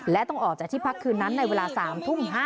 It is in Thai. และต้องออกจากที่พักคืนนั้นในเวลา๓ทุ่ม๕